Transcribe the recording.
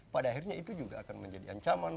pada akhirnya itu juga akan menjadi ancaman